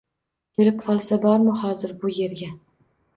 Kelib qolsa bormi hozir bu yerga?!